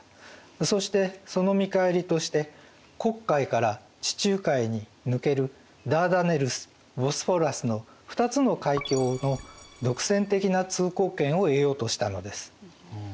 そしてその見返りとして黒海から地中海に抜けるダーダネルスボスフォラスの２つの海峡の独占的な通行権を得ようとしたのです。